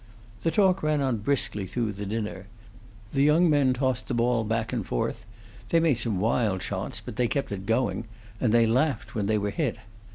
The talk ran on briskly through the dinner. The young men tossed the ball back and forth; they made some wild shots, but they kept it going, and they laughed when they were hit.